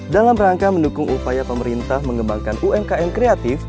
dalam rangka mendukung upaya pemerintah mengembangkan umkm kreatif